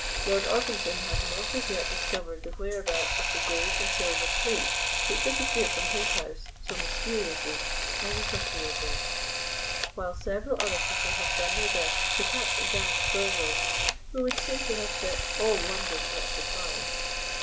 Lord Orpington has not as yet discovered the whereabouts of the gold and silver plate which disappeared from his house so mysteriously a week or two ago, while several other people have done their best to catch a gang of burglars who would seem to have set all London at defiance.